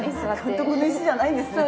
監督の椅子じゃないんですね。